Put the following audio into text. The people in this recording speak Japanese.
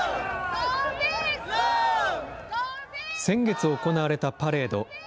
先月行われたパレード。